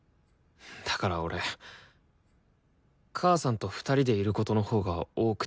だから俺母さんと２人でいることのほうが多くてさ。